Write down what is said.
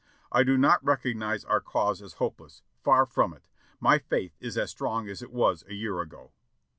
I do not recognize our cause as hopeless; far from it. My faith is as strong as it was a year ago."